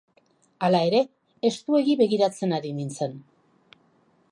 Hala ere, estuegi begiratzen ari nintzen.